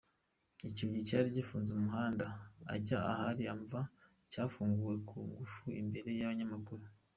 Icyugi cyari gifunze umuhanda ujya ahari imva cyafunguwe ku ngufu imbere y’abanyamakuru.